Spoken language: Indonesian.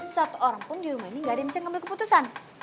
satu orang pun di rumah ini nggak ada yang bisa mengambil keputusan